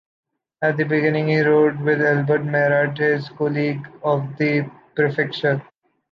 At the beginning, he wrote with Albert Mérat, his colleague at the prefecture.